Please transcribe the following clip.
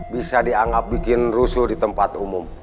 bisa dianggap bikin rusuh di tempat umum